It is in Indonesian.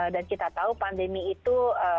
dan kita tahu pandemi ini masih masih berjalan